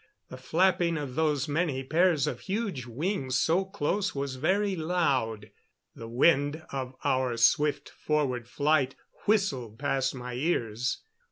The flapping of those many pairs of huge wings so close was very loud; the wind of our swift forward flight whistled past my ears.